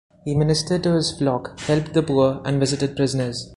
He ministered to his flock, helped the poor and visited prisoners.